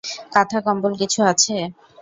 কাঁথা কম্বল কিছু আছে?